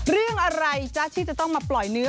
เรื่องอะไรจ๊ะที่จะต้องมาปล่อยเนื้อ